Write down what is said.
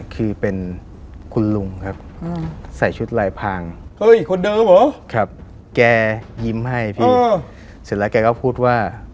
แกยิ้มให้พี่เสร็จแล้วแกก็พูดว่า